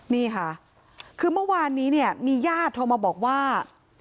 นี่ค่ะคือเมื่อวานนี้เนี่ยมีญาติโทรมาบอกว่า